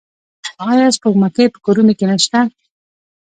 آیا سپوږمکۍ په کورونو کې نشته؟